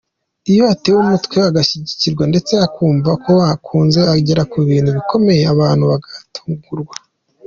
Iyo atewe umwete, agashyigikirwa ndetse akumva ko akunzwe agera ku bintu bikomeye abantu bagatungurwa.